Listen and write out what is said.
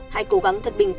hãy cố gắng thật bình tĩnh